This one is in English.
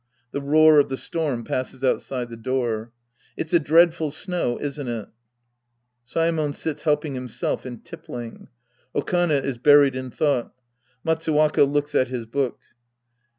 {The roar of the storm passes outside the door.) It's a dreadful snow, isn't it ? (Saemon sits helping himself and. tippling. Okane is buried in thought. Matsuwaka looks at his book.